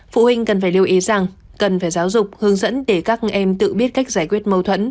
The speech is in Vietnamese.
phụ huynh cần phải lưu ý rằng cần phải giáo dục hướng dẫn để các em tự biết cách giải quyết mâu thuẫn